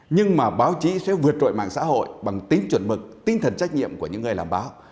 nhưng mà báo chí sẽ vượt trội mạng xã hội bằng tính chuẩn mực tinh thần trách nhiệm của những người làm báo